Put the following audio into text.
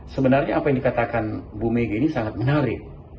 sebenarnya apa yang dikatakan bu mega ini sangat menarik